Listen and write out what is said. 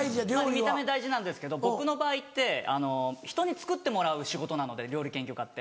見た目大事なんですけど僕の場合ってひとに作ってもらう仕事なので料理研究家って。